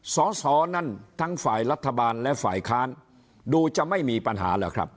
สอสอนั่นทั้งฝ่ายรัฐบาลและฝ่ายค้านดูจะไม่มีปัญหาหรอกครับ